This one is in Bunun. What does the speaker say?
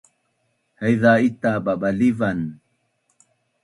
Haiza ita’ babalivan